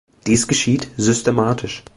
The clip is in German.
Dies geschieht systematisch.